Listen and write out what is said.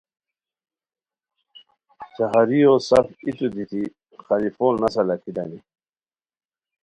چہاریو سف ایتو دیتی خلیفو نسہ لاکھیتانی